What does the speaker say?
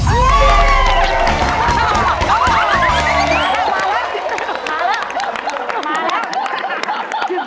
มาแล้วมาแล้ว